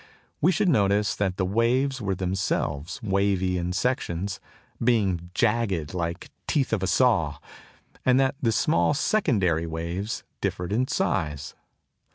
We should notice that the waves were themselves wavy in section, being jagged like the teeth of a saw, and that the small secondary waves differed in size.